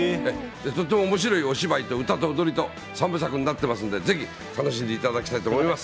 とってもおもしろいお芝居と歌と踊りと、３部作になってますので、ぜひ楽しんでいただきたいと思います。